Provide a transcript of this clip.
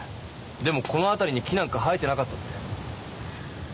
でもこのあたりに木なんか生えてなかったって。